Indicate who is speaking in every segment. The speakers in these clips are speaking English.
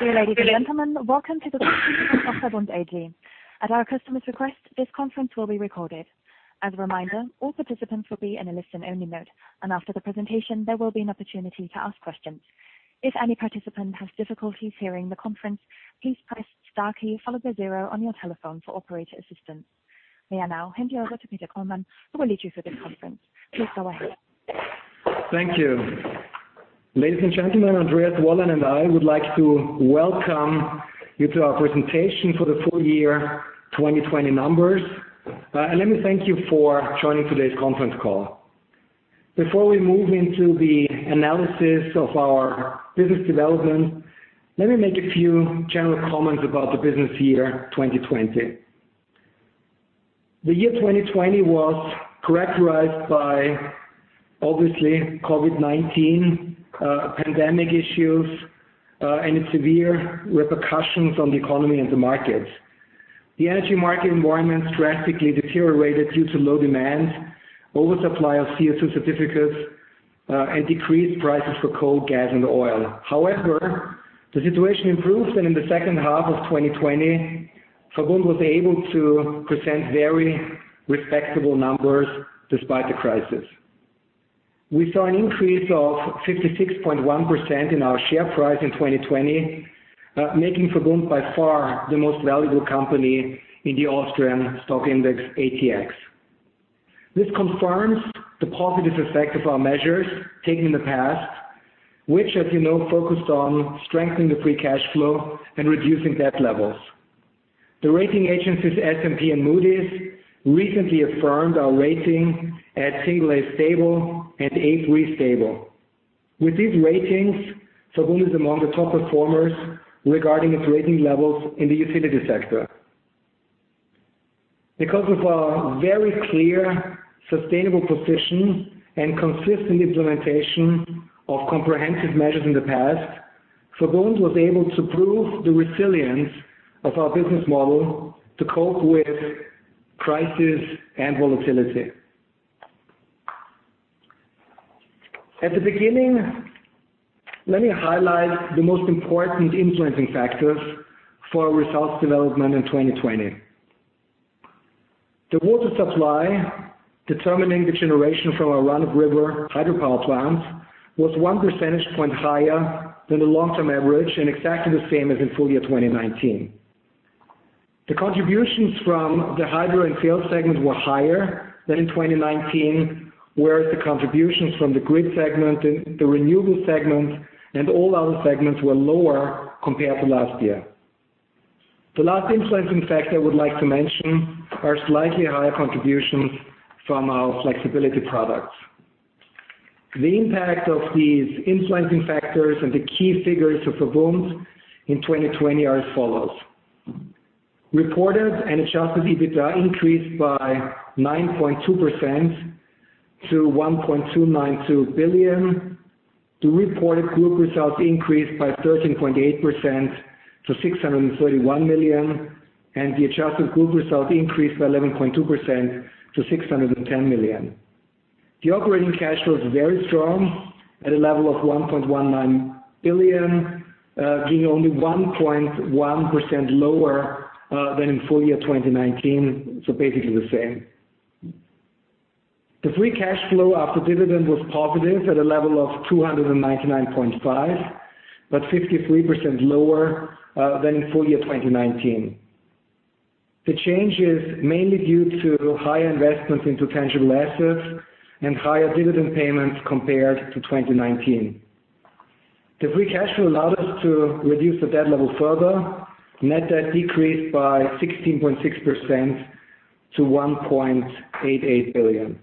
Speaker 1: Dear ladies and gentlemen, welcome to the conference call of VERBUND AG. At our customer's request, this conference will be recorded. As a reminder, all participants will be in a listen-only mode, and after the presentation, there will be an opportunity to ask questions. If any participant has difficulties hearing the conference, please press star key followed by zero on your telephone for operator assistance. We now hand you over to Peter Kollmann, who will lead you through this conference. Please go ahead.
Speaker 2: Thank you. Ladies and gentlemen, Andreas Wollein and I would like to welcome you to our presentation for the full year 2020 numbers. Let me thank you for joining today's conference call. Before we move into the analysis of our business development, let me make a few general comments about the business year 2020. The year 2020 was characterized by obviously COVID-19 pandemic issues, and its severe repercussions on the economy and the markets. The energy market environment drastically deteriorated due to low demand, oversupply of CO2 certificates, and decreased prices for coal, gas, and oil. The situation improved, and in the second half of 2020, VERBUND was able to present very respectable numbers despite the crisis. We saw an increase of 56.1% in our share price in 2020, making VERBUND by far the most valuable company in the Austrian stock index, ATX. This confirms the positive effect of our measures taken in the past, which as you know focused on strengthening the free cash flow and reducing debt levels. The rating agencies S&P and Moody's recently affirmed our rating at single A stable and A3 stable. With these ratings, VERBUND is among the top performers regarding its rating levels in the utility sector. Because of our very clear, sustainable position and consistent implementation of comprehensive measures in the past, VERBUND was able to prove the resilience of our business model to cope with crisis and volatility. At the beginning, let me highlight the most important influencing factors for our results development in 2020. The water supply determining the generation from our run-of-river hydropower plants was one percentage point higher than the long-term average and exactly the same as in full year 2019. The contributions from the hydro and sales segments were higher than in 2019, whereas the contributions from the grid segment and the renewable segment and all other segments were lower compared to last year. The last influencing factor I would like to mention are slightly higher contributions from our flexibility products. The impact of these influencing factors and the key figures of VERBUND in 2020 are as follows. Reported and adjusted EBITDA increased by 9.2% to 1.292 billion. The reported group results increased by 13.8% to 631 million, and the adjusted group results increased by 11.2% to 610 million. The operating cash flow is very strong at a level of 1.19 billion, being only 1.1% lower than in full year 2019, so basically the same. The free cash flow after dividend was positive at a level of 299.5, but 53% lower than in full year 2019. The change is mainly due to higher investments into tangible assets and higher dividend payments compared to 2019. The free cash flow allowed us to reduce the debt level further. Net debt decreased by 16.6% to 1.88 billion.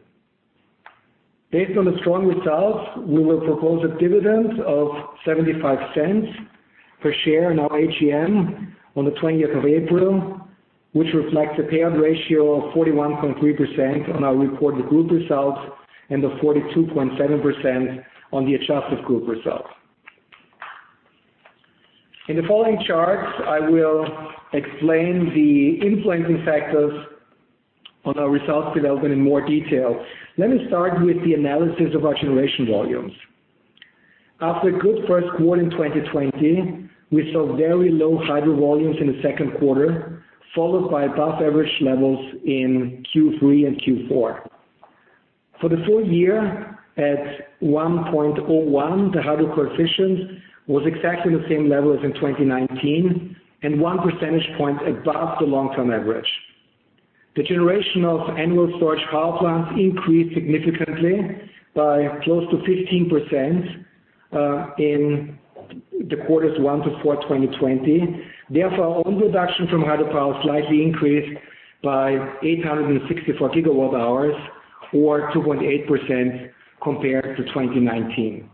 Speaker 2: Based on the strong results, we will propose a dividend of 0.75 per share in our AGM on the 20th of April, which reflects a payout ratio of 41.3% on our reported group results and the 42.7% on the adjusted group results. In the following charts, I will explain the influencing factors on our results development in more detail. Let me start with the analysis of our generation volumes. After a good first quarter in 2020, we saw very low hydro volumes in the second quarter, followed by above average levels in Q3 and Q4. For the full year at 1.01, the hydro coefficient was exactly the same level as in 2019 and one percentage point above the long-term average. The generation of annual storage power plants increased significantly by close to 15% in the quarters one to four 2020. Own production from hydropower slightly increased by 864 GWh or 2.8% compared to 2019.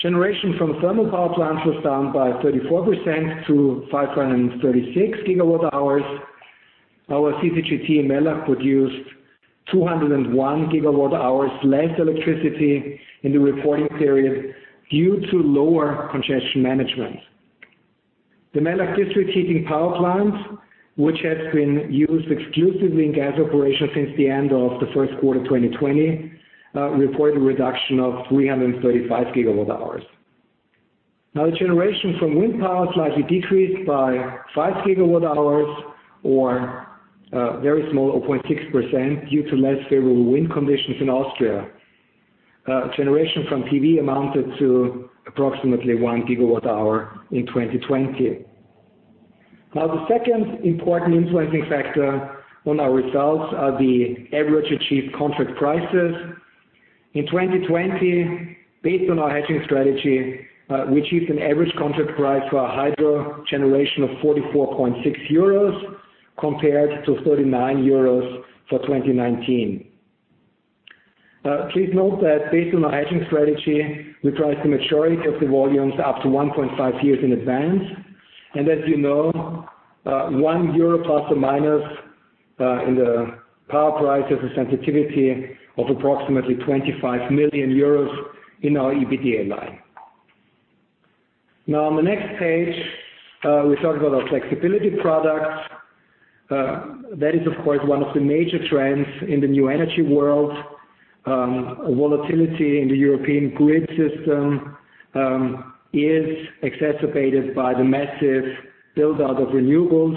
Speaker 2: Generation from thermal power plants was down by 34% to 536 GWh. Our CCGT in Mellach produced 201 GWh less electricity in the reporting period due to lower congestion management. The Mellach district heating power plant, which has been used exclusively in gas operation since the end of the first quarter 2020, reported a reduction of 335 GWh. The generation from wind power slightly decreased by 5 GWh, or a very small 0.6%, due to less favorable wind conditions in Austria. Generation from PV amounted to approximately 1 GWh in 2020. The second important influencing factor on our results are the average achieved contract prices. In 2020, based on our hedging strategy, we achieved an average contract price for our hydro generation of 44.6 euros, compared to 39 euros for 2019. Please note that based on our hedging strategy, we hedge the majority of the volumes up to 1.5 years in advance. As you know, one euro plus or minus in the power price has a sensitivity of approximately 25 million euros in our EBITDA line. On the next page, we talk about our flexibility products. That is, of course, one of the major trends in the new energy world. Volatility in the European grid system is exacerbated by the massive build-out of renewables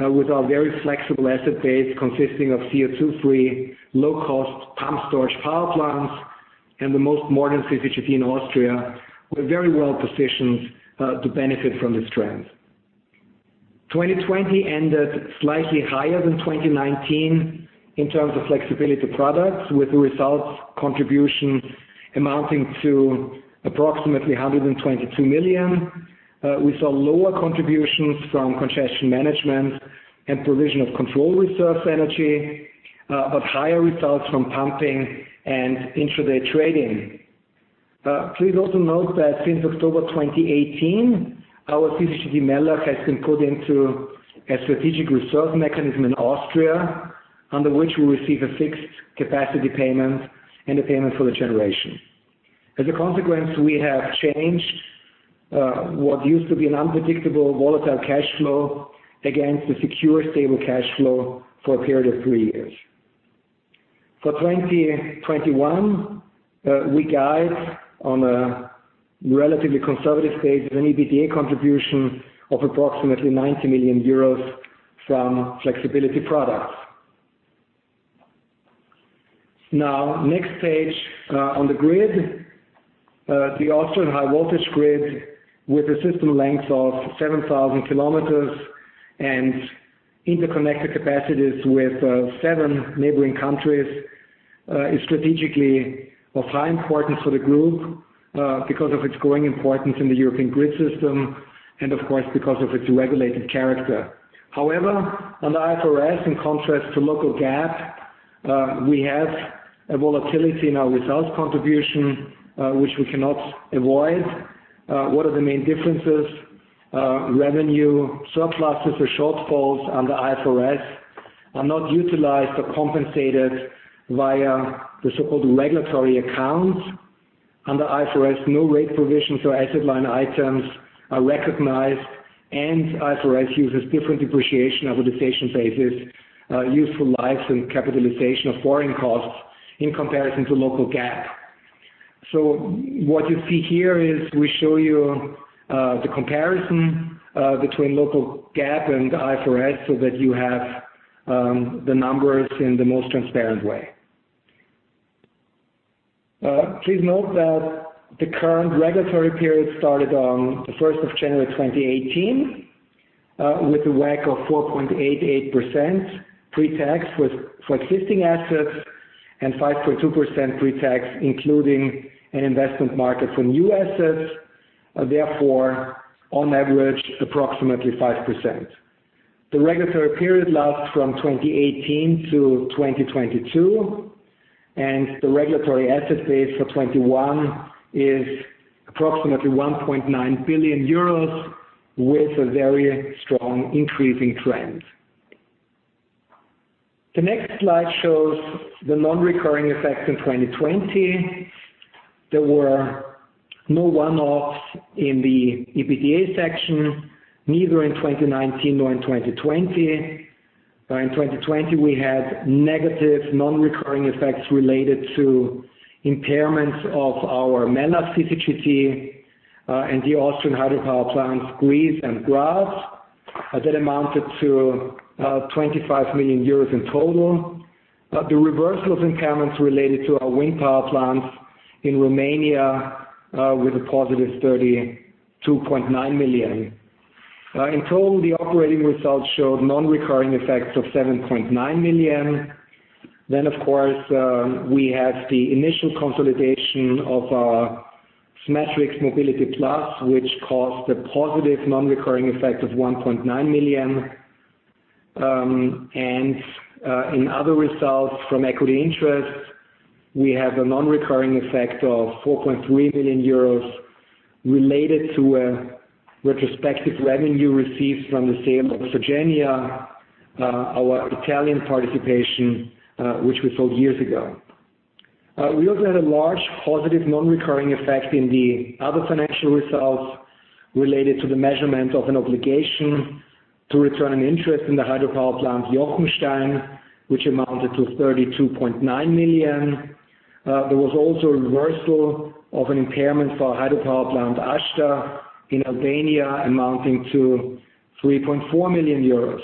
Speaker 2: with our very flexible asset base consisting of CO2-free, low-cost pumped storage power plants and the most modern CCGT in Austria. We're very well positioned to benefit from this trend. 2020 ended slightly higher than 2019 in terms of flexibility products, with results contribution amounting to approximately 122 million. We saw lower contributions from congestion management and provision of control reserve energy, but higher results from pumping and intraday trading. Please also note that since October 2018, our CCGT Mellach has been put into a strategic reserve mechanism in Austria, under which we receive a fixed capacity payment and a payment for the generation. As a consequence, we have changed what used to be an unpredictable volatile cash flow against a secure, stable cash flow for a period of three years. For 2021, we guide on a relatively conservative base of an EBITDA contribution of approximately 90 million euros from flexibility products. Next page on the grid. The Austrian high voltage grid with a system length of 7,000 km and interconnected capacities with seven neighboring countries, is strategically of high importance for the group, because of its growing importance in the European grid system, and of course, because of its regulated character. Under IFRS, in contrast to local GAAP, we have a volatility in our results contribution, which we cannot avoid. What are the main differences? Revenue surpluses or shortfalls under IFRS are not utilized or compensated via the so-called regulatory accounts. Under IFRS, no rate provisions or asset line items are recognized, IFRS uses different depreciation and amortization bases, useful lives, and capitalization of foreign costs in comparison to local GAAP. What you see here is we show you the comparison between local GAAP and IFRS, so that you have the numbers in the most transparent way. Please note that the current regulatory period started on the 1st of January 2018 with a WACC of 4.88% pre-tax for existing assets and 5.2% pre-tax, including an investment markup for new assets, therefore, on average, approximately 5%. The regulatory period lasts from 2018-2022, and the regulatory asset base for 2021 is approximately 1.9 billion euros, with a very strong increasing trend. The next slide shows the non-recurring effects in 2020. There were no one-offs in the EBITDA section, neither in 2019 nor in 2020. In 2020, we had negative non-recurring effects related to impairments of our Mellach CCGT and the Austrian hydropower plants, Romanian wind farms, that amounted to 25 million euros in total. The reversal of impairments related to our wind power plants in Romania, with a positive 32.9 million. In total, the operating results showed non-recurring effects of 7.9 million. Of course, we have the initial consolidation of our SMATRICS mobility+, which caused a positive non-recurring effect of 1.9 million. In other results from equity interest, we have a non-recurring effect of 4.3 million euros related to a retrospective revenue received from the sale of Sorgenia, our Italian participation, which we sold years ago. We also had a large positive non-recurring effect in the other financial results related to the measurement of an obligation to return an interest in the hydropower plant Jochenstein, which amounted to 32.9 million. There was also a reversal of an impairment for hydropower plant Ashta in Albania amounting to 3.4 million euros.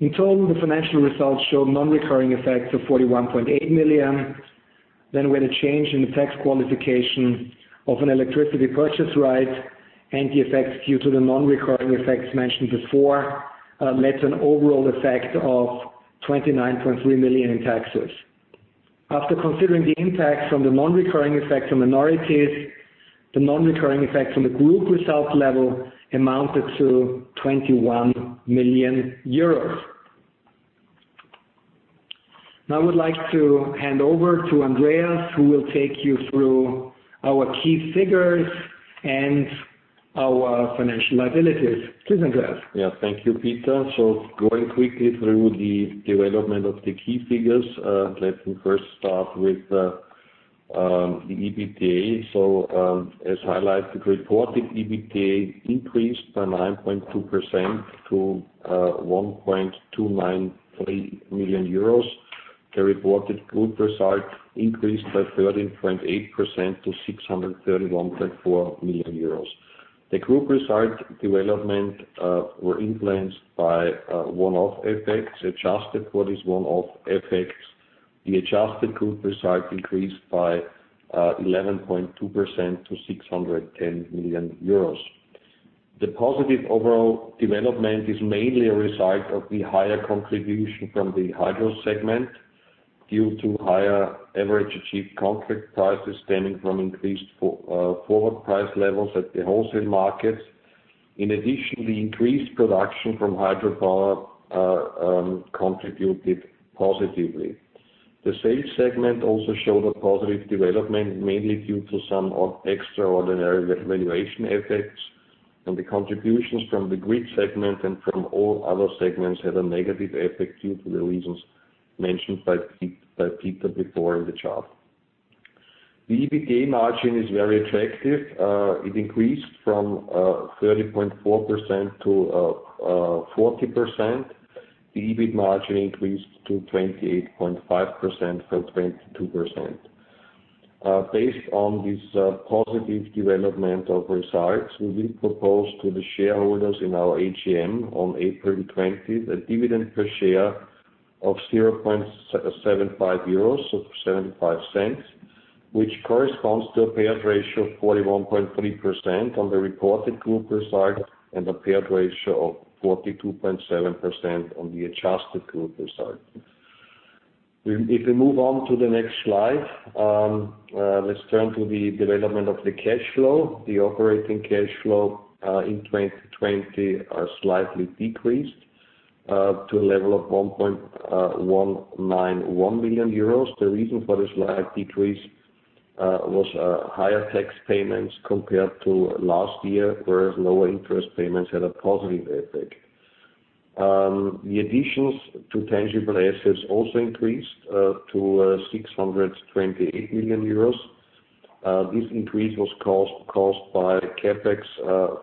Speaker 2: In total, the financial results showed non-recurring effects of 41.8 million. We had a change in the tax qualification of an electricity purchase right, and the effects due to the non-recurring effects mentioned before, made an overall effect of 29.3 million in taxes. After considering the impact from the non-recurring effects on minorities, the non-recurring effects on the group results level amounted to EUR 21 million. Now I would like to hand over to Andreas, who will take you through our key figures and our financial liabilities. Please, Andreas.
Speaker 3: Thank you, Peter. Going quickly through the development of the key figures, let me first start with the EBITDA. As highlighted, reported EBITDA increased by 9.2% to 1.293 billion euros. The reported group results increased by 13.8% to 631.4 million euros. The group results development were influenced by one-off effects, adjusted for these one-off effects, the adjusted group results increased by 11.2% to 610 million euros. The positive overall development is mainly a result of the higher contribution from the hydro segment due to higher average achieved contract prices stemming from increased forward price levels at the wholesale markets. In addition, the increased production from hydropower contributed positively. The sales segment also showed a positive development, mainly due to some extraordinary valuation effects, and the contributions from the grid segment and from all other segments had a negative effect due to the reasons mentioned by Peter before in the chart. The EBITDA margin is very attractive. It increased from 30.4% to 40%. The EBIT margin increased to 28.5% from 22%. Based on this positive development of results, we will propose to the shareholders in our AGM on April 20th a dividend per share of 0.75 euros, so 0.75, which corresponds to a payout ratio of 41.3% on the reported group results and a payout ratio of 42.7% on the adjusted group results. If we move on to the next slide, let's turn to the development of the cash flow. The operating cash flow in 2020 slightly decreased to a level of 1.191 billion euros. The reason for this slight decrease was higher tax payments compared to last year, whereas lower interest payments had a positive effect. The additions to tangible assets also increased to 628 million euros. This increase was caused by CapEx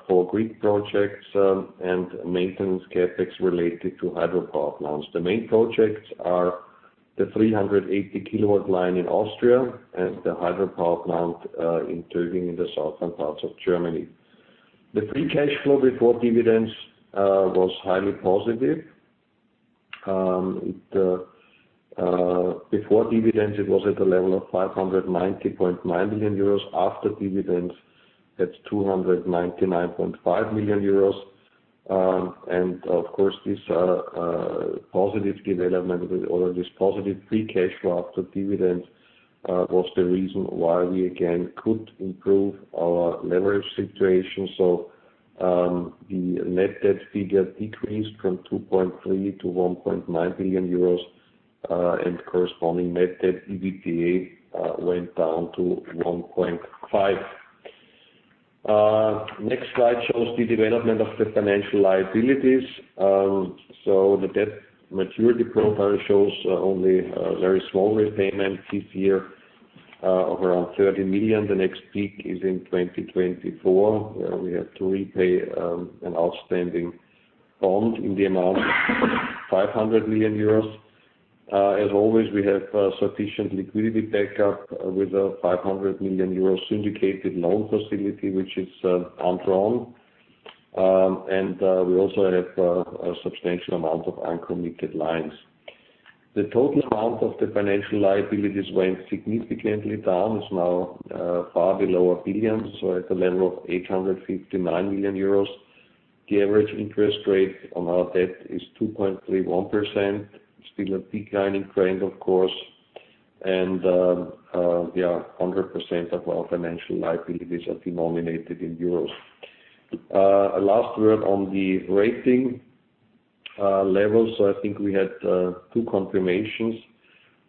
Speaker 3: for grid projects and maintenance CapEx related to hydropower plants. The main projects are the 380 kV line in Austria and the hydropower plant in Töging in the southern parts of Germany. The free cash flow before dividends was highly positive. Before dividends, it was at the level of 590.9 million euros. After dividends, that's 299.5 million euros. Of course, this positive development or this positive free cash flow after dividends was the reason why we again could improve our leverage situation. The net debt figure decreased from 2.3 billion-1.9 billion euros, and corresponding net debt EBITDA went down to 1.5. Next slide shows the development of the financial liabilities. The debt maturity profile shows only very small repayments this year of around 30 million. The next peak is in 2024, where we have to repay an outstanding bond in the amount of 500 million euros. As always, we have sufficient liquidity backup with a 500 million euro syndicated loan facility, which is undrawn, and we also have a substantial amount of uncommitted lines. The total amount of the financial liabilities went significantly down. It's now far below a billion, so at the level of 859 million euros. The average interest rate on our debt is 2.31%. Still a declining trend, of course. Yeah, 100% of our financial liabilities are denominated in EUR. A last word on the rating levels. I think we had two confirmations.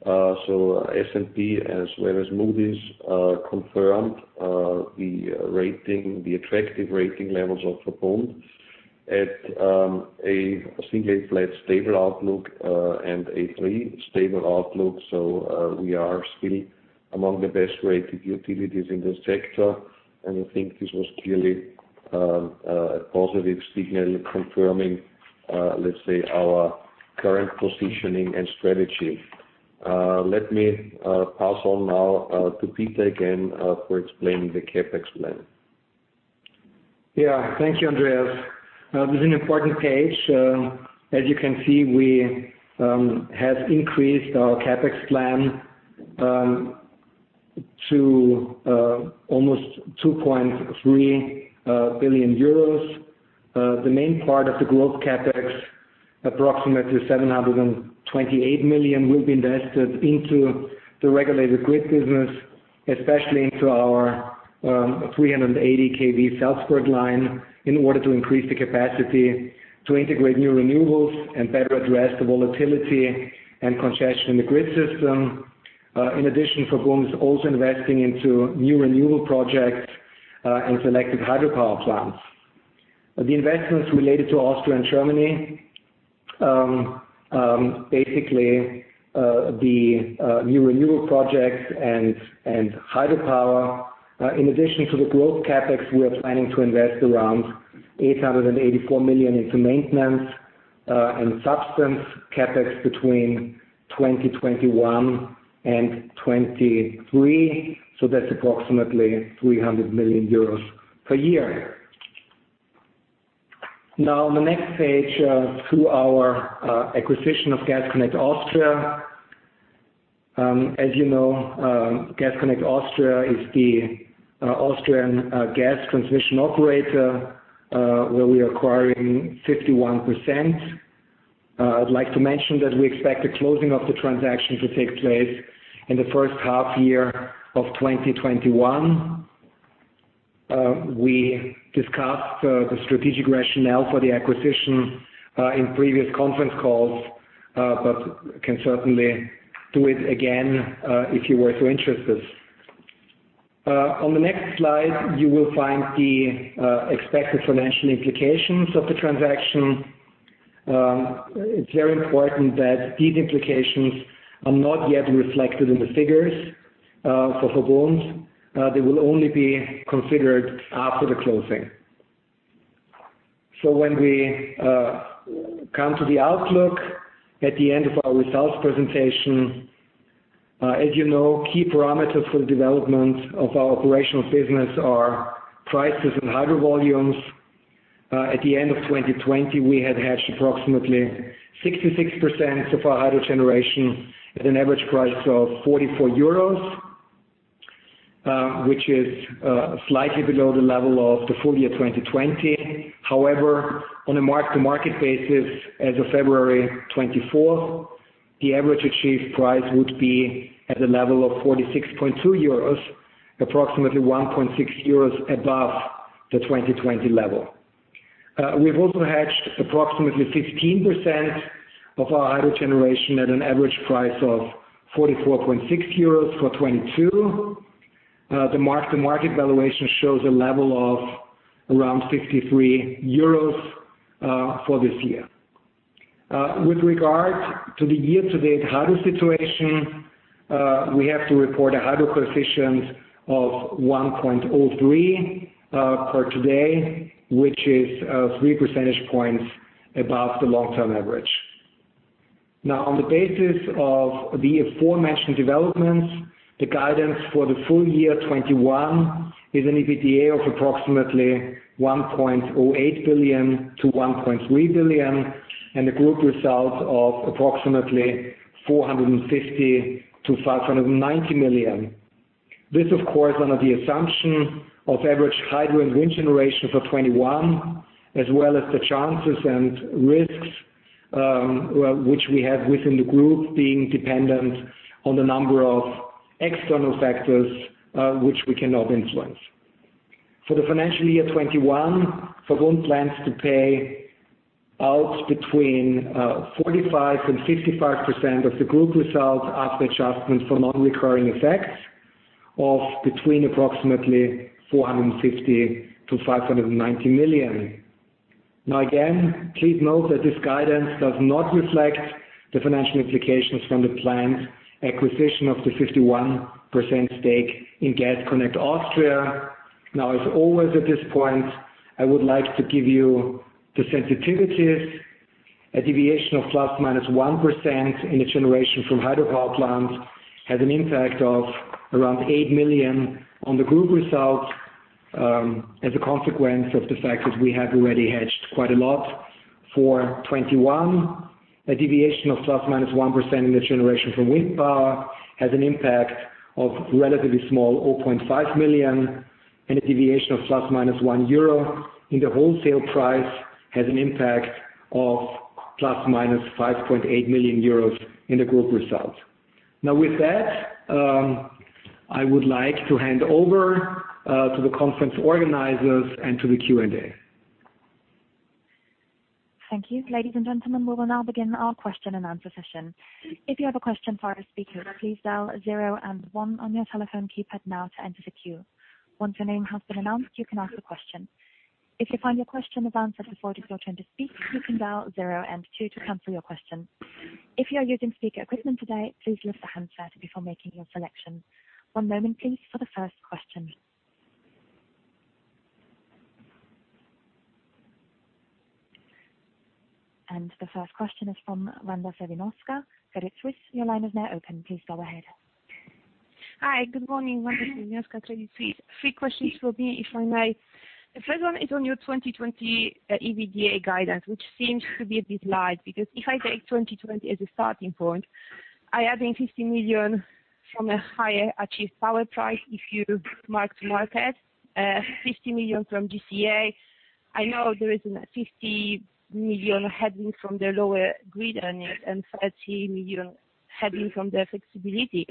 Speaker 3: S&P as well as Moody's confirmed the attractive rating levels of the bond at a single A flat stable outlook and A3 stable outlook. We are still among the best-rated utilities in this sector, and I think this was clearly a positive signal confirming, let's say, our current positioning and strategy. Let me pass on now to Peter again for explaining the CapEx plan.
Speaker 2: Thank you, Andreas. This is an important page. As you can see, we have increased our CapEx plan to almost 2.3 billion euros. The main part of the group CapEx, approximately 728 million, will be invested into the regulated grid business, especially into our 380 kV Salzburg line, in order to increase the capacity to integrate new renewables and better address the volatility and congestion in the grid system. In addition, VERBUND is also investing into new renewable projects and selective hydropower plants. The investments related to Austria and Germany, basically the new renewable projects and hydropower. In addition to the growth CapEx, we are planning to invest around 884 million into maintenance and substance CapEx between 2021 and 2023, so that's approximately 300 million euros per year. On the next page, to our acquisition of Gas Connect Austria. As you know, Gas Connect Austria is the Austrian gas transmission operator, where we are acquiring 51%. I'd like to mention that we expect the closing of the transaction to take place in the first half year of 2021. We discussed the strategic rationale for the acquisition in previous conference calls, but can certainly do it again if you were so interested. On the next slide, you will find the expected financial implications of the transaction. It's very important that these implications are not yet reflected in the figures for VERBUND. They will only be considered after the closing. When we come to the outlook at the end of our results presentation, as you know, key parameters for the development of our operational business are prices and hydro volumes. At the end of 2020, we had hedged approximately 66% of our hydro generation at an average price of 44 euros, which is slightly below the level of the full year 2020. However, on a mark-to-market basis as of February 24th, the average achieved price would be at the level of 46.20 euros, approximately 1.6 euros above the 2020 level. We've also hedged approximately 15% of our hydro generation at an average price of 44.6 euros for 2022. The mark-to-market valuation shows a level of around 63 euros for this year. With regard to the year-to-date hydro situation, we have to report a hydro coefficient of 1.03 for today, which is 3 percentage points above the long-term average. Now, on the basis of the aforementioned developments, the guidance for the full year 2021 is an EBITDA of approximately 1.08 billion-1.3 billion and a group result of approximately 450 million-590 million. This, of course, under the assumption of average hydropower and wind generation for 2021, as well as the chances and risks which we have within the group being dependent on the number of external factors which we cannot influence. For the financial year 2021, VERBUND plans to pay out between 45% and 55% of the group result after adjustments for non-recurring effects of between approximately 450 million to 590 million. Again, please note that this guidance does not reflect the financial implications from the planned acquisition of the 51% stake in Gas Connect Austria. As always at this point, I would like to give you the sensitivities. A deviation of ±1% in the generation from hydropower plants has an impact of around 8 million on the group results as a consequence of the fact that we have already hedged quite a lot for 2021. A deviation of ±1% in the generation from wind power has an impact of relatively small 0.5 million, and a deviation of ±1 euro in the wholesale price has an impact of ±5.8 million euros in the group results. Now with that, I would like to hand over to the conference organizers and to the Q&A.
Speaker 1: Thank you. Ladies and gentlemen, we will now begin our question-and-answer session. If you have a question for our speakers, please dial zero and one on your telephone keypad now to enter the queue. Once your name has been announced, you can ask a question. If you find your question has answered before it is your turn to speak, you can dial zero and two to cancel your question. If you are using speaker equipment today, please lift the handset before making your selection. One moment please for the first question. The first question is from Wanda Serwinowska, Credit Suisse. Your line is now open. Please go ahead.
Speaker 4: Hi. Good morning. Wanda Serwinowska, Credit Suisse. Three questions for me, if I may. The first one is on your 2020 EBITDA guidance, which seems to be a bit light, because if I take 2020 as a starting point, I add in 50 million from a higher achieved power price, if you mark to market, 50 million from GCA. I know there is a 50 million headwind from the lower grid earnings and 30 million headwind from the flexibility.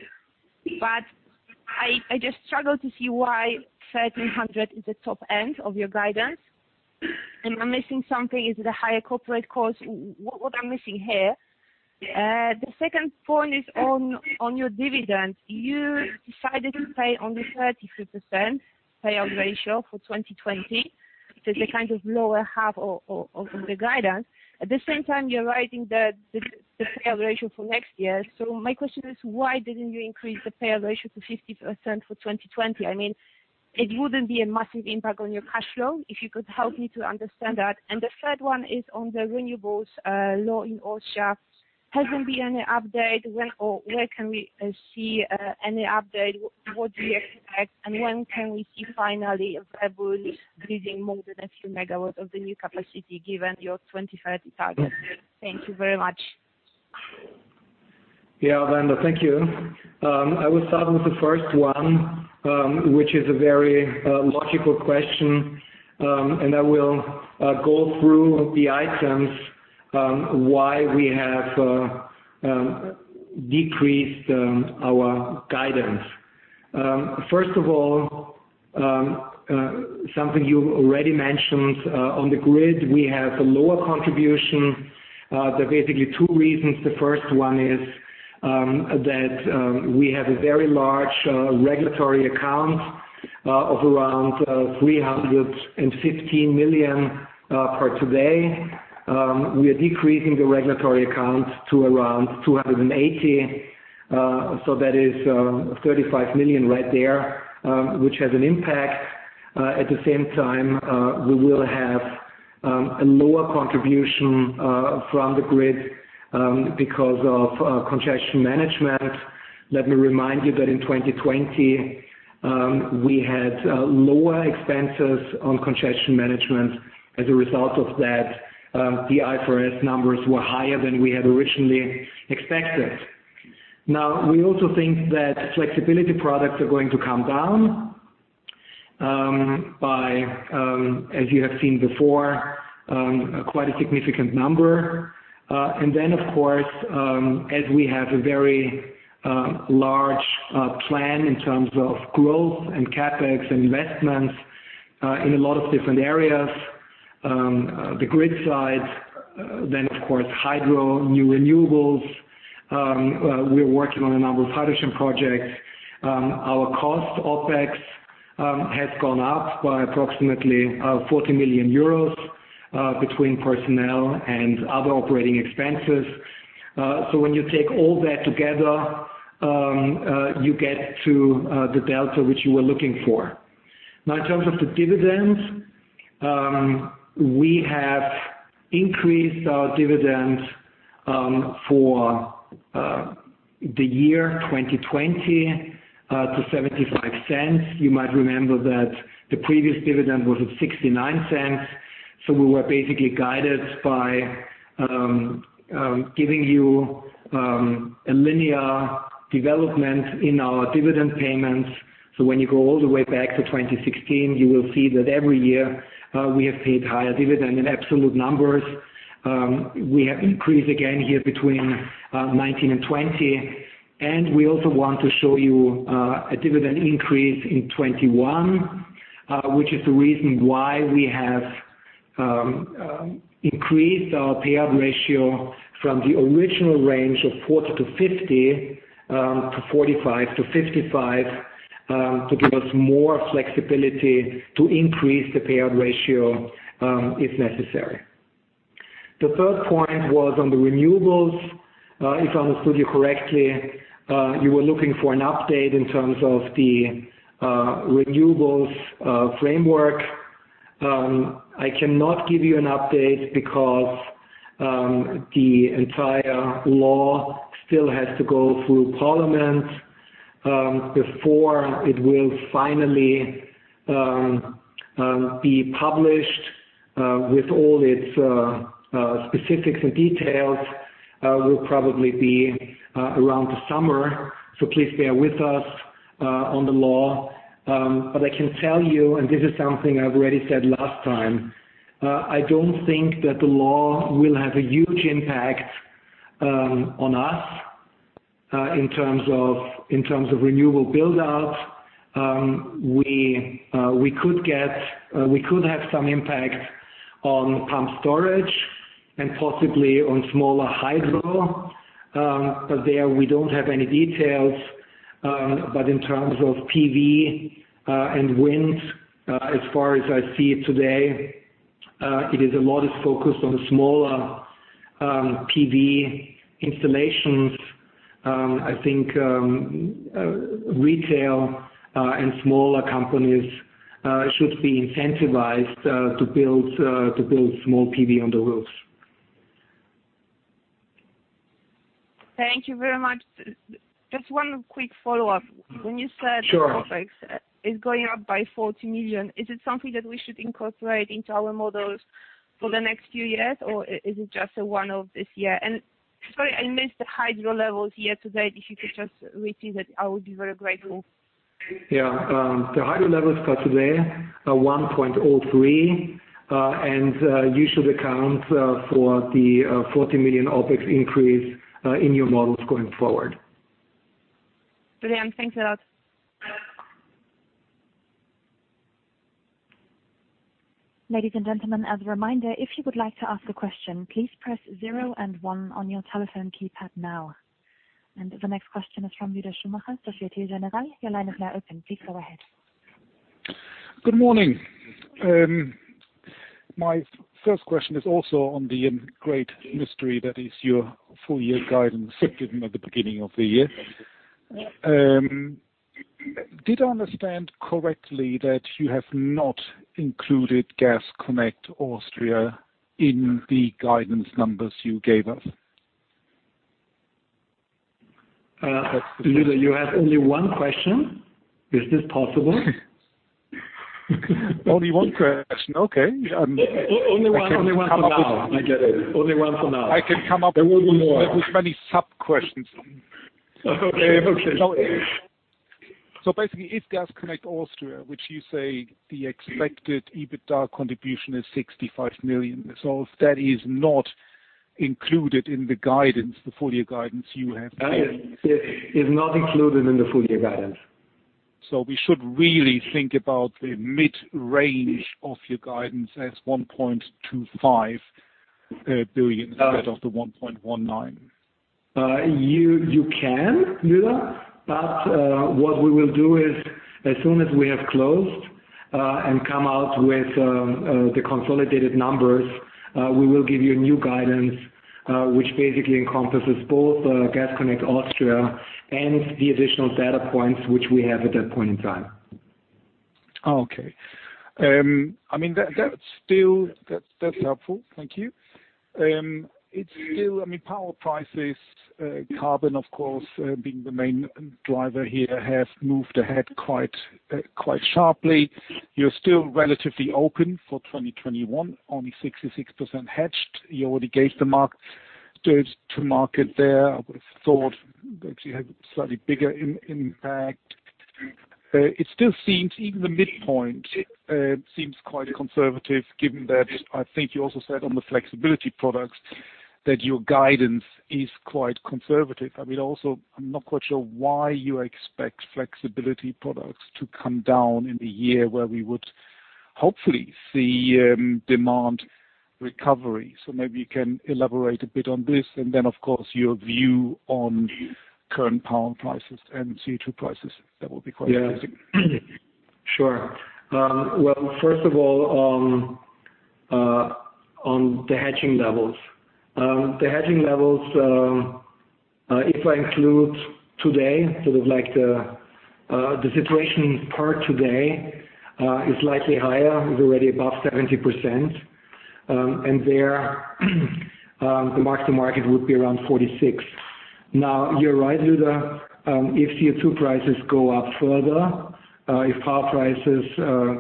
Speaker 4: I just struggle to see why 1,300 is the top end of your guidance. Am I missing something? Is it a higher corporate cost? What I'm missing here? The second point is on your dividend. You decided to pay only 33% payout ratio for 2020, which is the kind of lower half of the guidance. At the same time, you're raising the payout ratio for next year. My question is, why didn't you increase the payout ratio to 50% for 2020? It wouldn't be a massive impact on your cash flow. If you could help me to understand that. The third one is on the renewables law in Austria. Hasn't been any update. When or where can we see any update? What do you expect, and when can we see finally VERBUND producing more than a few megawatts of the new capacity given your 2030 target date? Thank you very much.
Speaker 2: Yeah, Wanda, thank you. I will start with the first one, which is a very logical question. I will go through the items, why we have decreased our guidance. First of all, something you already mentioned, on the grid, we have a lower contribution. There are basically two reasons. The first one is that we have a very large regulatory account of around 315 million for today. We are decreasing the regulatory account to around 280 million. That is 35 million right there, which has an impact. At the same time, we will have a lower contribution from the grid because of congestion management. Let me remind you that in 2020, we had lower expenses on congestion management. As a result of that, the IFRS numbers were higher than we had originally expected. We also think that flexibility products are going to come down by, as you have seen before, quite a significant number. Of course, as we have a very large plan in terms of growth and CapEx investments in a lot of different areas, the grid side, of course, hydro, new renewables. We're working on a number of hydrogen projects. Our cost, OpEx, has gone up by approximately 40 million euros between personnel and other operating expenses. When you take all that together, you get to the delta which you were looking for. In terms of the dividends, we have increased our dividend for the year 2020 to 0.75. You might remember that the previous dividend was at 0.69. We were basically guided by giving you a linear development in our dividend payments. When you go all the way back to 2016, you will see that every year we have paid higher dividend in absolute numbers. We have increased again here between 2019 and 2020. We also want to show you a dividend increase in 2021, which is the reason why we have increased our payout ratio from the original range of 40%-50% to 45%-55% to give us more flexibility to increase the payout ratio if necessary. The third point was on the renewables. If I understood you correctly, you were looking for an update in terms of the renewables framework. I cannot give you an update because the entire law still has to go through Parliament before it will finally be published with all its specifics and details, will probably be around the summer. Please bear with us on the law. I can tell you, and this is something I've already said last time, I don't think that the law will have a huge impact on us. In terms of renewable build out, we could have some impact on pump storage and possibly on smaller hydro. But there we don't have any details. But in terms of PV and wind, as far as I see it today, it is a lot is focused on smaller PV installations. I think retail and smaller companies should be incentivized to build small PV on the roofs.
Speaker 4: Thank you very much. Just one quick follow-up.
Speaker 2: Sure.
Speaker 4: When you said OpEx is going up by 40 million, is it something that we should incorporate into our models for the next few years, or is it just a one-off this year? Sorry, I missed the hydro levels year to date. If you could just repeat it, I would be very grateful.
Speaker 2: Yeah. The hydro levels for today are 1.03. You should account for the 40 million OpEx increase in your models going forward.
Speaker 4: Peter, thanks a lot.
Speaker 1: Ladies and gentlemen, as a reminder, if you would like to ask a question, please press zero and one on your telephone keypad now. The next question is from Lueder Schumacher, Société Générale. Your line is now open. Please go ahead.
Speaker 5: Good morning. My first question is also on the great mystery that is your full year guidance given at the beginning of the year. Did I understand correctly that you have not included Gas Connect Austria in the guidance numbers you gave us?
Speaker 2: Lueder, you have only one question. Is this possible? Only one question, okay.
Speaker 5: Only one for now. I get it. Only one for now. I can come up, there will be more. With many sub questions. Basically if Gas Connect Austria, which you say the expected EBITDA contribution is 65 million, if that is not included in the full year guidance you have given?
Speaker 2: It is not included in the full year guidance.
Speaker 5: We should really think about the mid-range of your guidance as 1.25 billion instead of 1.19 billion.
Speaker 2: You can, Lueder. What we will do is as soon as we have closed and come out with the consolidated numbers, we will give you a new guidance, which basically encompasses both Gas Connect Austria and the additional data points which we have at that point in time.
Speaker 5: Okay. That's helpful. Thank you. Power prices, carbon of course, being the main driver here, have moved ahead quite sharply. You're still relatively open for 2021, only 66% hedged. You already gave the market there. I would've thought that you had a slightly bigger impact. It still seems even the midpoint seems quite conservative given that I think you also said on the flexibility products that your guidance is quite conservative. Also, I'm not quite sure why you expect flexibility products to come down in the year where we would hopefully see demand recovery. Maybe you can elaborate a bit on this, and then, of course, your view on current power prices and CO2 prices. That would be quite amazing.
Speaker 2: Sure. Well, first of all, on the hedging levels. The hedging levels, if I include today, sort of like the situation per today, is likely higher, is already above 70%, and there the mark to market would be around 46. You're right, Lueder, if CO2 prices go up further, if power prices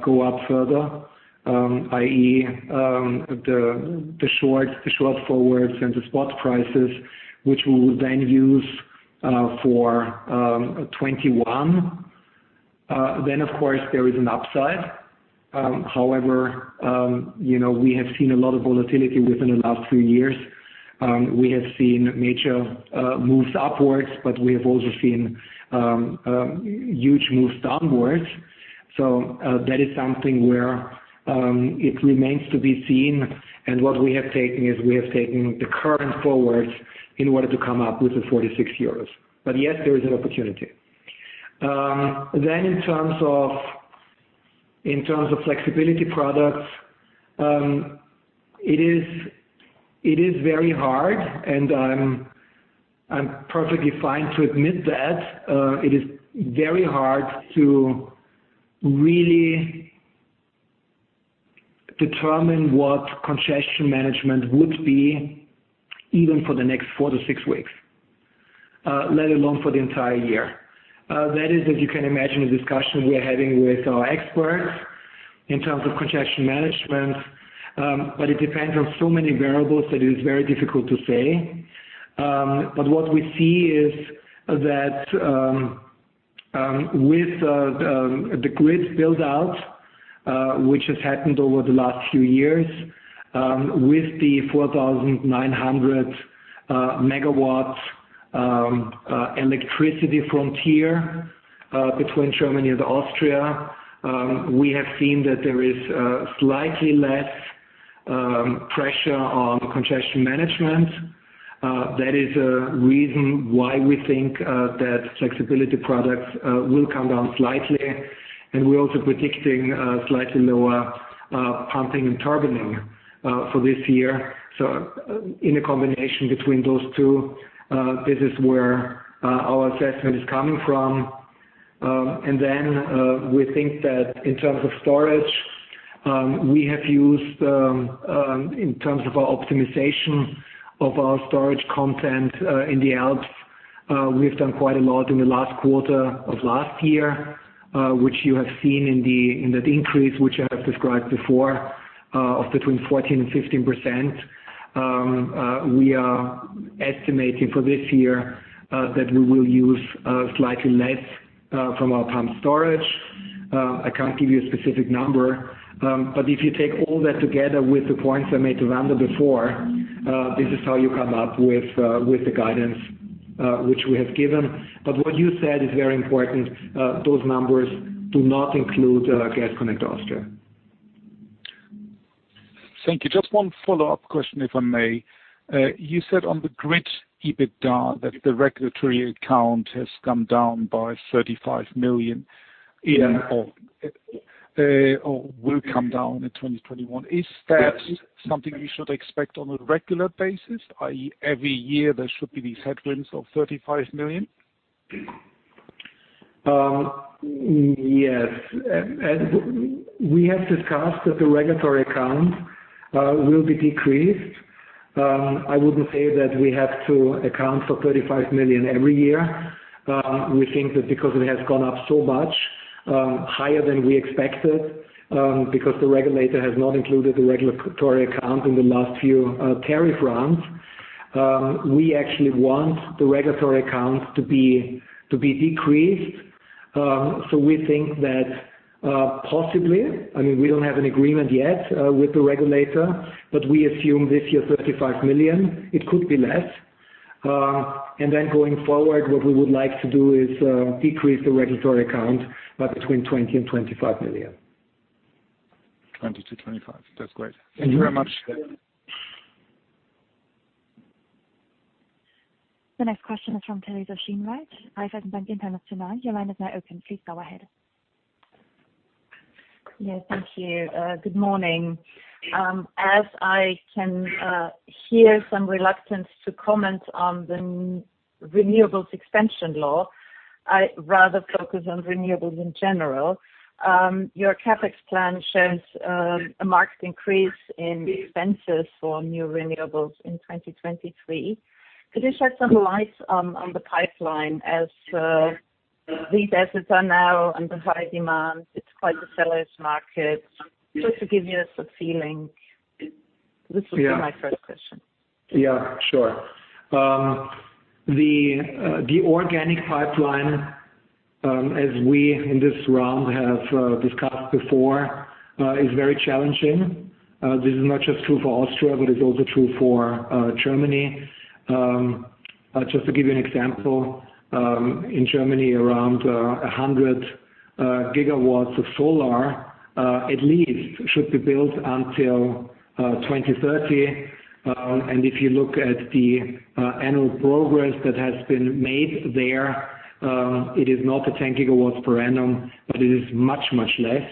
Speaker 2: go up further, i.e., the short forwards and the spot prices, which we will then use for 2021, then of course there is an upside. However, we have seen a lot of volatility within the last few years. We have seen major moves upwards, but we have also seen huge moves downwards. That is something where it remains to be seen, and what we have taken is we have taken the current forwards in order to come up with the 46 euros. Yes, there is an opportunity. In terms of flexibility products, it is very hard and I'm perfectly fine to admit that. It is very hard to really determine what congestion management would be even for the next four to six weeks, let alone for the entire year. That is, as you can imagine, a discussion we are having with our experts in terms of congestion management, but it depends on so many variables that it is very difficult to say. What we see is that with the grid build out, which has happened over the last few years, with the 4,900 MW electricity frontier between Germany and Austria, we have seen that there is slightly less pressure on congestion management. That is a reason why we think that flexibility products will come down slightly, and we're also predicting slightly lower pumping and turbining for this year. In a combination between those two, this is where our assessment is coming from. Then we think that in terms of storage, we have used, in terms of our optimization of our storage content in the Alps, we have done quite a lot in the last quarter of last year, which you have seen in that increase, which I have described before, of between 14% and 15%. We are estimating for this year that we will use slightly less from our pump storage. I can't give you a specific number. If you take all that together with the points I made to Wanda before, this is how you come up with the guidance which we have given. What you said is very important. Those numbers do not include Gas Connect Austria.
Speaker 5: Thank you. Just one follow-up question, if I may. You said on the grid, EBITDA, that the regulatory account has come down by 35 million in, will come down in 2021. Is that something we should expect on a regular basis, i.e., every year there should be these headwinds of 35 million?
Speaker 2: Yes. As we have discussed that the regulatory account will be decreased. I wouldn't say that we have to account for 35 million every year. We think that because it has gone up so much higher than we expected, because the regulator has not included the regulatory account in the last few tariff rounds, we actually want the regulatory accounts to be decreased. We think that possibly, we don't have an agreement yet with the regulator, but we assume this year 35 million. It could be less. Going forward, what we would like to do is decrease the regulatory account by between 20 million and 25 million.
Speaker 5: 20 to 25. That's great. Thank you very much.
Speaker 1: The next question is from Teresa Schinwald, Raiffeisen Bank International. Your line is now open. Please go ahead.
Speaker 6: Thank you. Good morning. As I can hear some reluctance to comment on the renewables extension law, I rather focus on renewables in general. Your CapEx plan shows a marked increase in expenses for new renewables in 2023. Could you shed some light on the pipeline as these assets are now under high demand? It's quite a seller's market. Just to give you some feeling. This will be my first question.
Speaker 2: Yeah, sure. The organic pipeline, as we in this round have discussed before, is very challenging. This is not just true for Austria, but it's also true for Germany. Just to give you an example, in Germany, around 100 GW of solar, at least, should be built until 2030. If you look at the annual progress that has been made there, it is not the 10 GW per annum, but it is much, much less.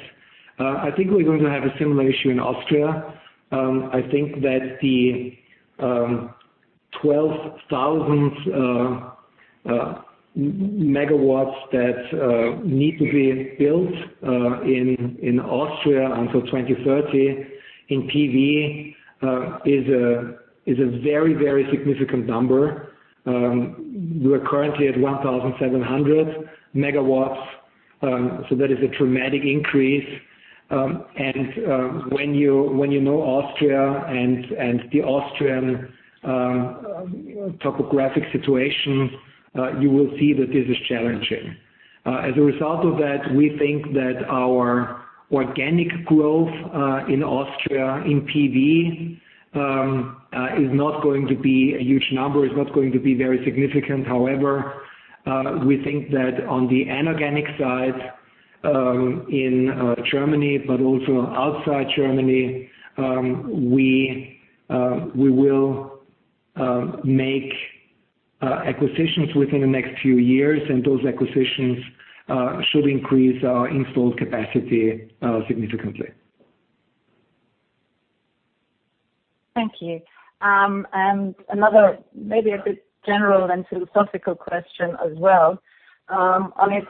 Speaker 2: I think we're going to have a similar issue in Austria. I think that the 12,000 MW that need to be built in Austria until 2030 in PV is a very, very significant number. We're currently at 1,700 MW, that is a dramatic increase. When you know Austria and the Austrian topographic situation, you will see that this is challenging. As a result of that, we think that our organic growth in Austria in PV is not going to be a huge number, is not going to be very significant. We think that on the inorganic side in Germany, but also outside Germany, we will make acquisitions within the next few years, and those acquisitions should increase our installed capacity significantly.
Speaker 6: Thank you. Another maybe a bit general and philosophical question as well. On its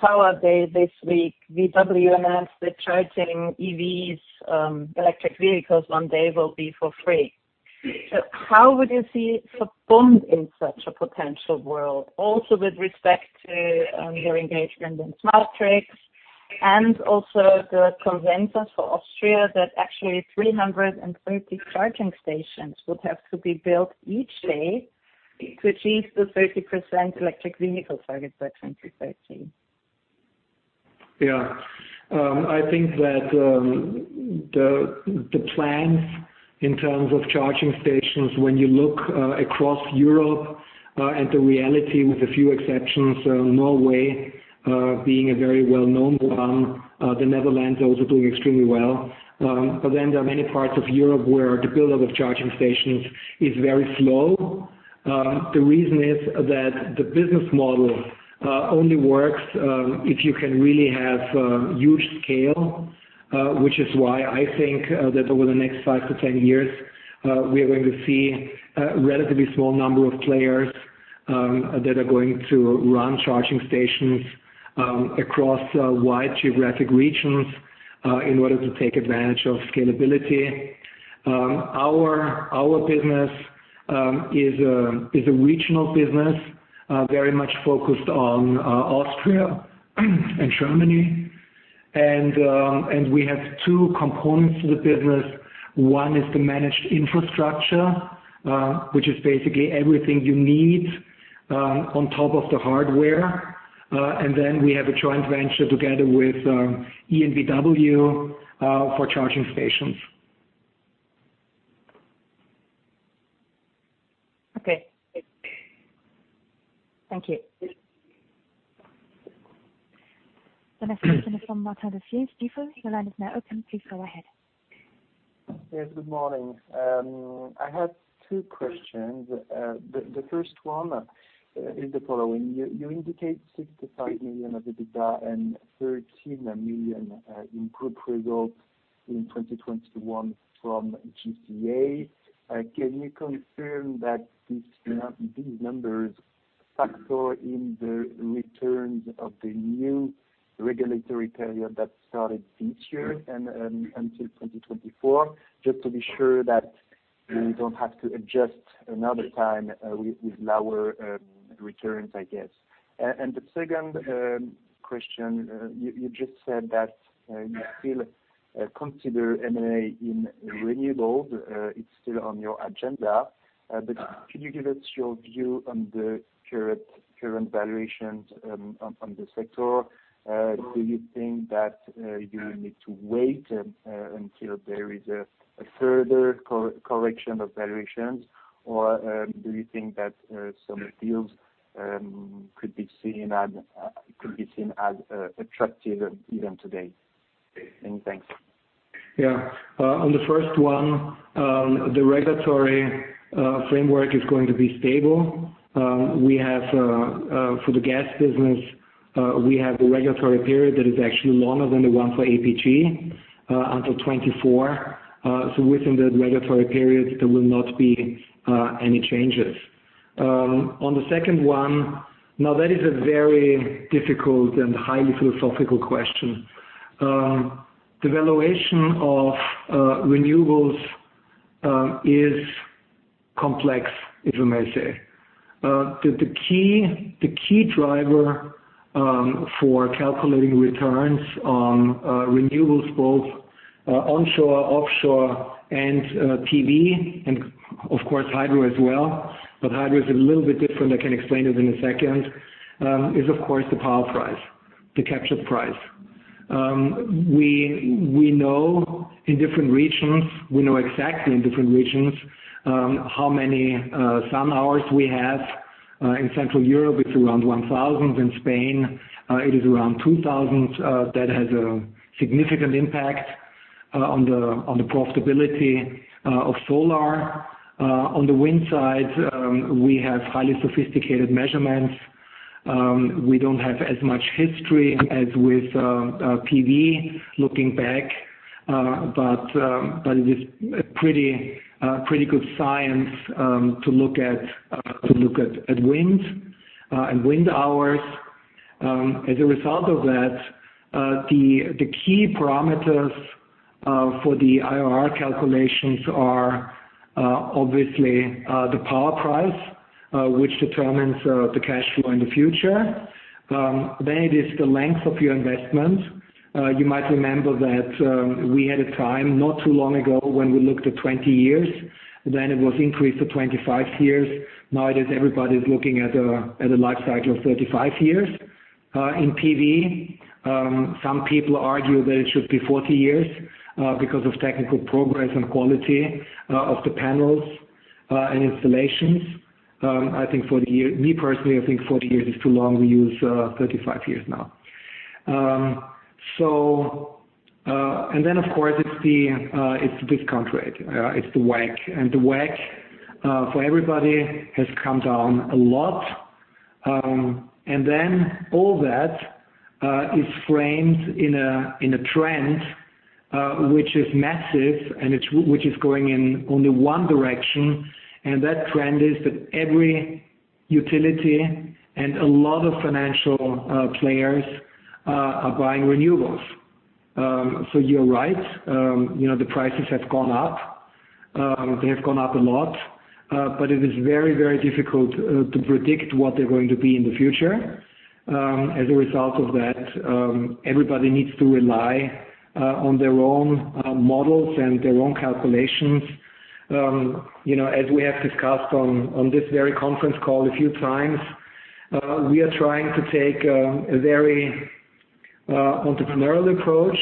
Speaker 6: Power Day this week, VW announced that charging EVs, electric vehicles, one day will be for free. How would you see VERBUND in such a potential world? Also with respect to your engagement in SMATRICS. Also the consensus for Austria that actually 330 charging stations would have to be built each day to achieve the 30% electric vehicle target by 2030.
Speaker 2: Yeah. I think that the plans in terms of charging stations, when you look across Europe at the reality with a few exceptions, Norway being a very well-known one, the Netherlands also doing extremely well. There are many parts of Europe where the build-up of charging stations is very slow. The reason is that the business model only works if you can really have huge scale, which is why I think that over the next 5-10 years, we are going to see a relatively small number of players that are going to run charging stations across wide geographic regions, in order to take advantage of scalability. Our business is a regional business, very much focused on Austria and Germany. We have two components to the business. One is the managed infrastructure, which is basically everything you need on top of the hardware. We have a joint venture together with EnBW, for charging stations.
Speaker 6: Okay. Thank you.
Speaker 1: The next question is from Martin Tessier, Stifel, your line is now open. Please go ahead.
Speaker 7: Yes, good morning. I have two questions. The first one is the following. You indicate 65 million EBITDA and 13 million in group results in 2021 from GCA. Can you confirm that these numbers factor in the returns of the new regulatory period that started this year and until 2024, just to be sure that we don't have to adjust another time with lower returns, I guess? The second question, you just said that you still consider M&A in renewables, it's still on your agenda. Could you give us your view on the current valuations on the sector? Do you think that you will need to wait until there is a further correction of valuations or do you think that some deals could be seen as attractive even today? Thanks.
Speaker 2: On the first one, the regulatory framework is going to be stable. For the gas business, we have a regulatory period that is actually longer than the one for APG, until 2024. Within that regulatory period, there will not be any changes. On the second one, now that is a very difficult and highly philosophical question. The valuation of renewables is complex, if I may say. The key driver for calculating returns on renewables, both onshore, offshore, and PV, and of course hydro as well, but hydro is a little bit different, I can explain it in a second, is of course the power price, the capture price. We know in different regions, we know exactly in different regions, how many sun hours we have. In Central Europe, it's around 1,000. In Spain, it is around 2,000. That has a significant impact on the profitability of solar. On the wind side, we have highly sophisticated measurements. We don't have as much history as with PV looking back, but it is a pretty good science to look at wind and wind hours. As a result of that, the key parameters for the IRR calculations are obviously the power price, which determines the cash flow in the future. It is the length of your investment. You might remember that we had a time not too long ago when we looked at 20 years, then it was increased to 25 years. Now it is everybody's looking at a life cycle of 35 years. In PV, some people argue that it should be 40 years, because of technical progress and quality of the panels and installations. Me personally, I think 40 years is too long. We use 35 years now. Of course it's the discount rate, it's the WACC. The WACC for everybody has come down a lot. All that is framed in a trend, which is massive and which is going in only one direction, and that trend is that every utility and a lot of financial players are buying renewables. You're right. The prices have gone up. They have gone up a lot. It is very difficult to predict what they're going to be in the future. As a result of that, everybody needs to rely on their own models and their own calculations. As we have discussed on this very conference call a few times, we are trying to take a very entrepreneurial approach.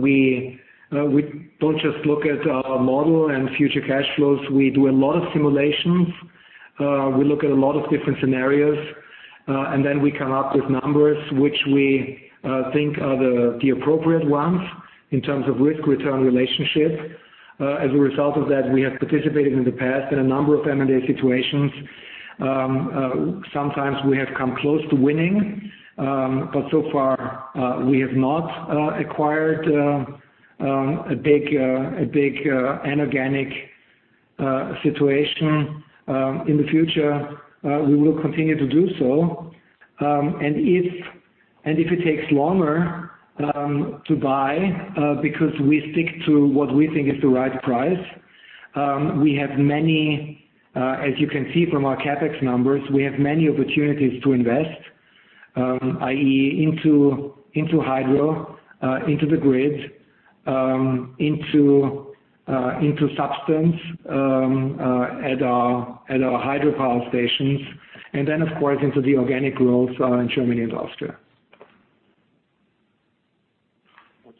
Speaker 2: We don't just look at our model and future cash flows, we do a lot of simulations. We look at a lot of different scenarios, and then we come up with numbers which we think are the appropriate ones in terms of risk-return relationship. As a result of that, we have participated in the past in a number of M&A situations. Sometimes we have come close to winning, but so far, we have not acquired a big inorganic situation. In the future, we will continue to do so. If it takes longer to buy because we stick to what we think is the right price, as you can see from our CapEx numbers, we have many opportunities to invest, i.e., into hydro, into the grid, into substance at our hydropower stations, and then, of course, into the organic growth in Germany and Austria.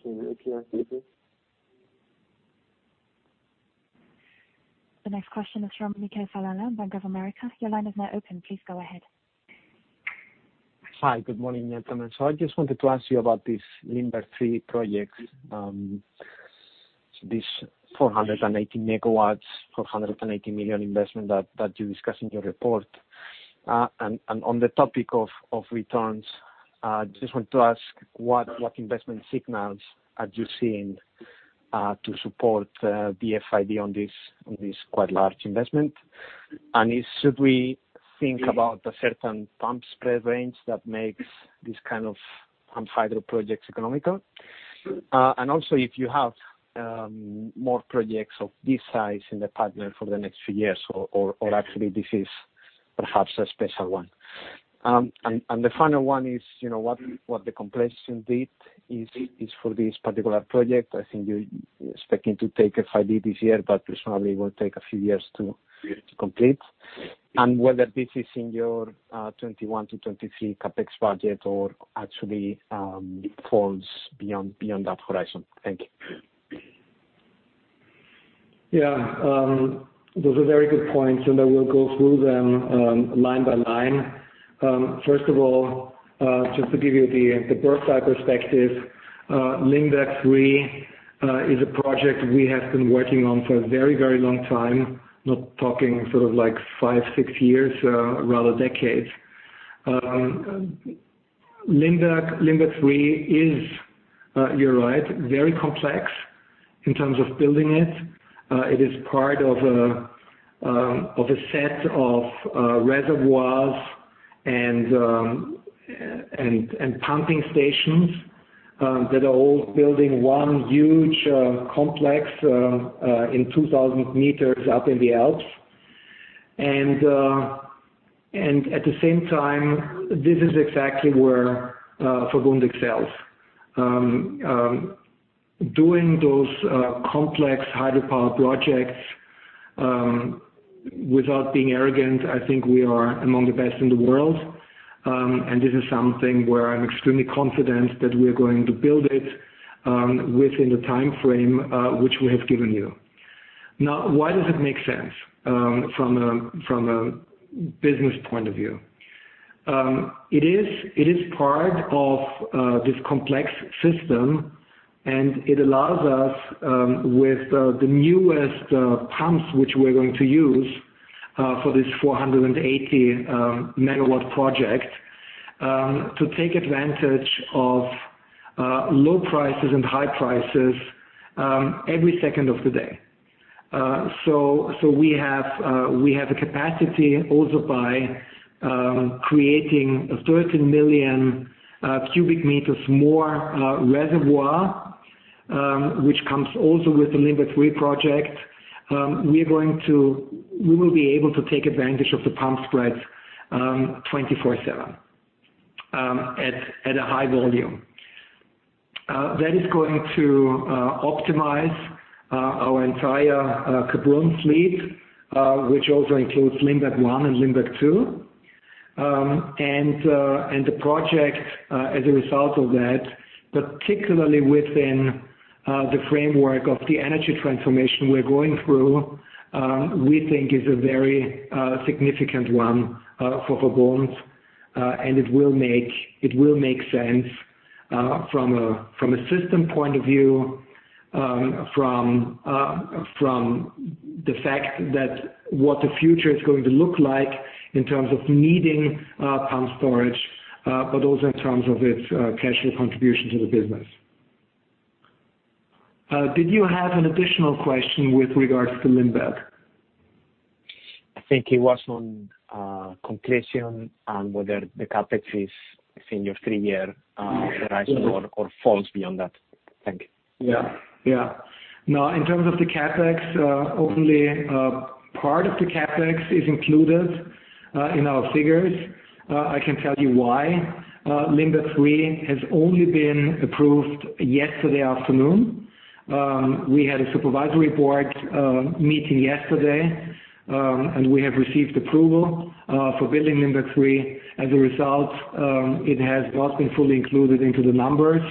Speaker 7: Okay. Thank you.
Speaker 1: The next question is from Peter Bisztyga, Bank of America. Your line is now open. Please go ahead.
Speaker 8: Hi. Good morning, gentlemen. I just wanted to ask you about this Limberg III project, this 480 MW, 480 million investment that you discussed in your report. On the topic of returns, I just want to ask what investment signals are you seeing to support the FID on this quite large investment? Should we think about a certain pump spread range that makes these kind of pump hydro projects economical? Also if you have more projects of this size in the pipeline for the next few years or actually this is perhaps a special one. The final one is, what the completion date is for this particular project. I think you're expecting to take FID this year, but this probably will take a few years to complete. Whether this is in your 2021 to 2023 CapEx budget or actually it falls beyond that horizon. Thank you.
Speaker 2: Yeah. Those are very good points, and I will go through them line by line. First of all, just to give you the bird's eye perspective, Limberg III is a project we have been working on for a very long time. Not talking sort of five, six years, rather decades. Limberg III is, you're right, very complex in terms of building it. It is part of a set of reservoirs and pumping stations that are all building one huge complex in 2,000 m up in the Alps. At the same time, this is exactly where VERBUND excels. Doing those complex hydropower projects, without being arrogant, I think we are among the best in the world. This is something where I'm extremely confident that we're going to build it within the timeframe which we have given you. Now, why does it make sense from a business point of view? It is part of this complex system, and it allows us with the newest pumps which we're going to use for this 480-MW project, to take advantage of low prices and high prices every second of the day. We have a capacity also by creating a 13 million cubic meters more reservoir, which comes also with the Limberg III project. We will be able to take advantage of the pump spreads 24/7 at a high volume. That is going to optimize our entire Kaprun fleet, which also includes Limberg I and Limberg II. The project, as a result of that, particularly within the framework of the energy transformation we're going through, we think is a very significant one for Kaprun, and it will make sense from a system point of view, from the fact that what the future is going to look like in terms of needing pump storage, but also in terms of its cash flow contribution to the business. Did you have an additional question with regards to Limberg?
Speaker 8: I think it was on completion and whether the CapEx is in your three-year horizon or falls beyond that. Thank you.
Speaker 2: No, in terms of the CapEx, only part of the CapEx is included in our figures. I can tell you why. Limberg III has only been approved yesterday afternoon. We had a supervisory board meeting yesterday, and we have received approval for building Limberg III. As a result, it has not been fully included into the numbers.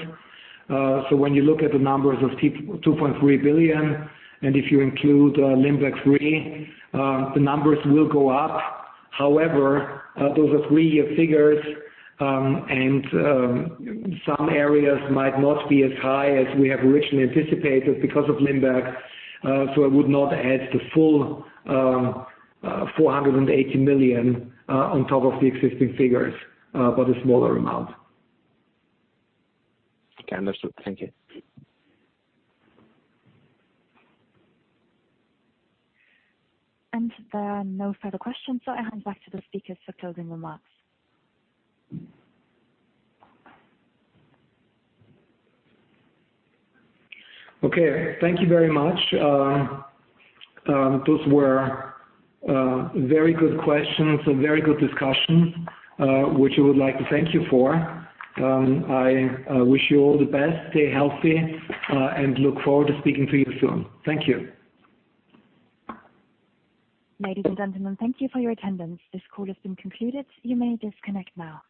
Speaker 2: When you look at the numbers of 2.3 billion, and if you include Limberg III, the numbers will go up. However, those are three-year figures, and some areas might not be as high as we have originally anticipated because of Limberg, I would not add the full 480 million on top of the existing figures, but a smaller amount.
Speaker 8: Okay. Understood. Thank you.
Speaker 1: There are no further questions. I hand back to the speakers for closing remarks.
Speaker 2: Thank you very much. Those were very good questions and very good discussions, which we would like to thank you for. I wish you all the best. Stay healthy, and look forward to speaking to you soon. Thank you.
Speaker 1: Ladies and gentlemen, thank you for your attendance. This call has been concluded. You may disconnect now.